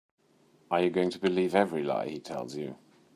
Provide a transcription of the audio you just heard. Are you going to believe every lie he tells you?